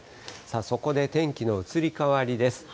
そこで天気の移り変わりです。